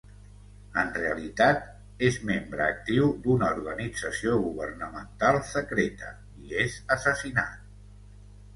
En realitat, és membre actiu d'una organització governamental secreta, i és assassinat.